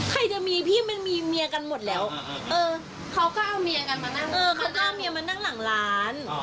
เขาก็เอาเมียมานั่งหลังร้าน